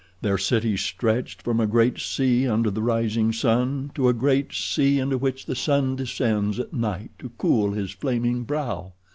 Their cities stretched from a great sea under the rising sun to a great sea into which the sun descends at night to cool his flaming brow.